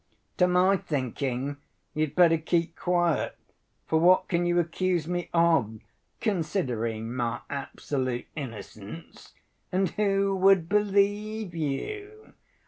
"To my thinking, you'd better keep quiet, for what can you accuse me of, considering my absolute innocence? and who would believe you?